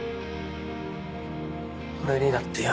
俺にだってよ